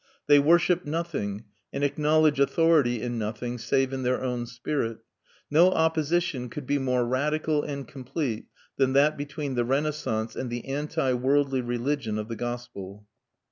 They worship nothing and acknowledge authority in nothing save in their own spirit. No opposition could be more radical and complete than that between the Renaissance and the anti worldly religion of the gospel.